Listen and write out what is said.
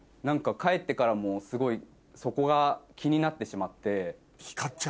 帰ってからもすごいそこが気になってしまって。